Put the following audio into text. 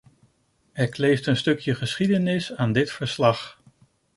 Er kleeft een stukje geschiedenis aan dit verslag.